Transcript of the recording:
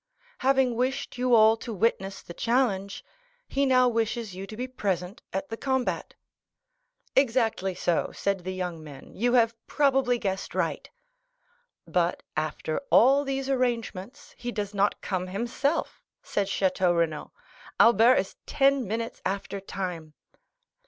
"Having wished you all to witness the challenge, he now wishes you to be present at the combat." "Exactly so," said the young men; "you have probably guessed right." "But, after all these arrangements, he does not come himself," said Château Renaud. "Albert is ten minutes after time."